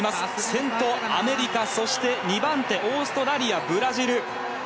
先頭、アメリカ２番手、オーストラリアブラジル。